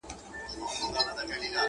خوشحال بلله پښتانه د لندو خټو دېوال؛